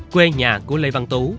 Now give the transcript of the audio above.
quê nhà của lê văn tú